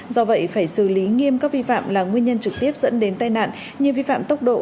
do vậy phải xử lý nghiêm các vi phạm là nguyên nhân trực tiếp dẫn đến tai nạn như vi phạm tốc độ